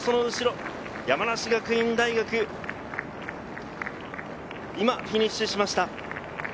山梨学院大学が今、フィニッシュしました。